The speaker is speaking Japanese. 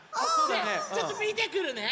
ちょっとみてくるね。